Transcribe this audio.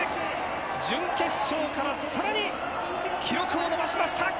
準決勝からさらに記録を伸ばしました。